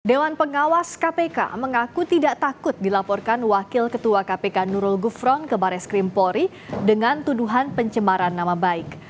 dewan pengawas kpk mengaku tidak takut dilaporkan wakil ketua kpk nurul gufron ke baris krim polri dengan tuduhan pencemaran nama baik